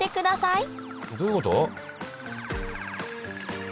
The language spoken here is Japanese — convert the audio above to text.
どういうこと？